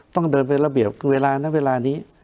ต้องเดินไประเบียบเวลานั้นเวลานี้